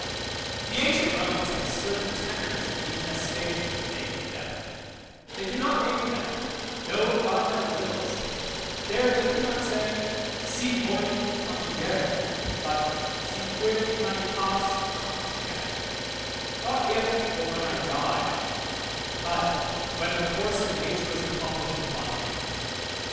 The ancient Romans had a certain tenderness and detestation of the name of death; they could not name death, no, not in their wills; there they could not say, Si mori contigerit, but si quid humanitas contingat, not if or when I die, but when the course of nature is accomplished upon me.